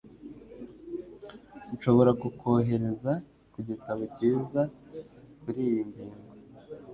Nshobora kukwohereza ku gitabo cyiza kuriyi ngingo.